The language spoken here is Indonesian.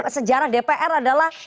sejarah dpr adalah